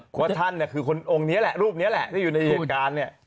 ความทาร์นคือท่านคือคนอ่องนี้แหละรูปนี้แหละที่อยู่ในเฉกการเนี่ย